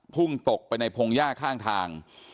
พุ่งตกไปในพงหญ้าข้างทาง